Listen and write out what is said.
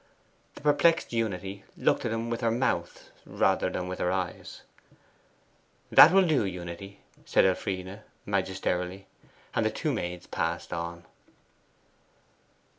The perplexed Unity looked at him with her mouth rather than with her eyes. 'That will do, Unity,' said Elfride magisterially; and the two maids passed on.